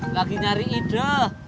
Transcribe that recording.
lagi nyari ide